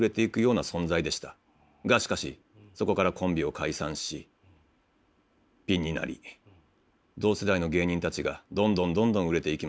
がしかしそこからコンビを解散しピンになり同世代の芸人たちがどんどんどんどん売れていきました。